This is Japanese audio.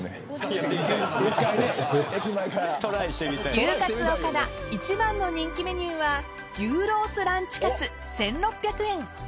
牛かつおか田一番の人気メニューは牛ロースランチかつ１６００円